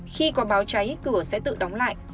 khi có báo cháy cửa sẽ tự đóng lại